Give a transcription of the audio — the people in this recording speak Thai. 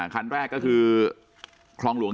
คันแรกก็คือคลองหลวง